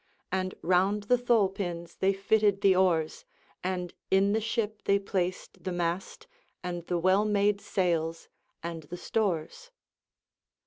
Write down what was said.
And round the thole pins they fitted the oars, and in the ship they placed the mast and the well made sails and the stores.